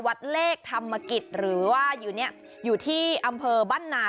วัดเลกถรรมกิจหรือว่าอยู่ที่อำเภอบ้านนา